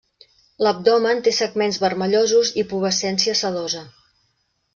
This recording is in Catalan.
L'abdomen té segments vermellosos i pubescència sedosa.